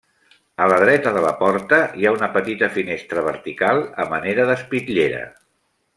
A la dreta de la porta hi ha una petita finestra vertical, a manera d'espitllera.